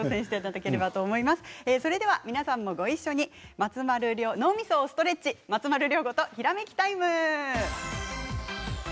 皆さんもごいっしょに脳みそをストレッチ松丸亮吾とひらめきタイム。